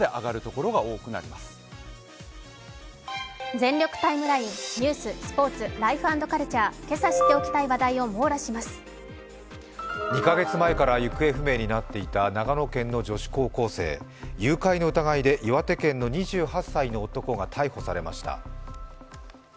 「全力ＴＩＭＥライン」ニュース、スポーツ、ライフ＆カルチャー、２か月前から行方不明になっていた長野県の女子高校生、誘拐の疑いで岩手県の２８歳の男が逮捕されました。